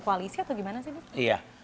koalisi atau gimana sih bu